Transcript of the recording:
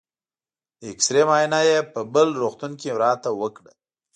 د اېکسرې معاینه یې په بل روغتون کې راته وکړه.